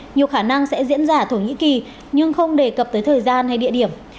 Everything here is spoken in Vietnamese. nhiều khả năng sẽ diễn ra ở thổ nhĩ kỳ nhưng không đề cập tới thời gian hay địa điểm